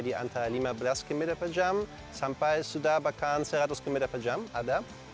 di antara lima belas km per jam sampai sudah bahkan seratus km per jam ada